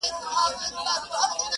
بې موجبه خوار کړېږې او زورېږي,